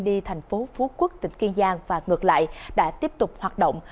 đi thành phố phú quốc tỉnh kiên giang và ngược lại đã tiếp tục hoạt động